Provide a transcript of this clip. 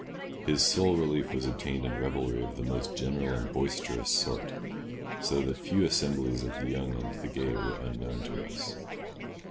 His sole relief was obtained in revelry of the most general and boisterous sort; so that few assemblies of the young and the gay were unknown to us.